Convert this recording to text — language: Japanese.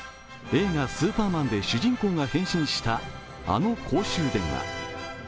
映画「スーパーマン」で主人公が変身したあの公衆電話。